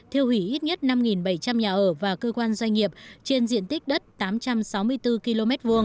thiêu hủy ít nhất năm bảy trăm linh nhà ở và cơ quan doanh nghiệp trên diện tích đất tám trăm sáu mươi bốn km hai